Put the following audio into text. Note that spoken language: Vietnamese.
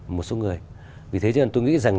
một số người vì thế cho nên tôi nghĩ rằng